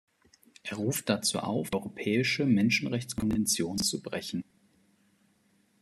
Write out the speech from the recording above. Er ruft dazu auf, die Europäische Menschenrechtskonvention zu brechen!